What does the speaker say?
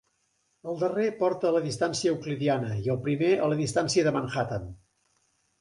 El darrer porta a la distància euclidiana i el primer a la distància de Manhattan.